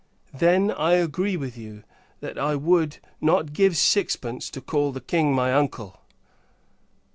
Then, I agree with you, that "I would not give sixpence to call the King my uncle!"